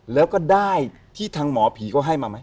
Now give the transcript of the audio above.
แล้วก็ได้ที่ทางหมอผีก็ให้มาไหม